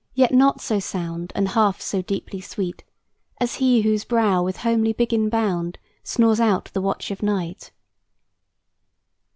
Yet not so sound and half so deeply sweet As he whose brow with homely biggin bound Snores out the watch of night."